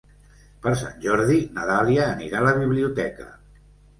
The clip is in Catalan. Per Sant Jordi na Dàlia anirà a la biblioteca.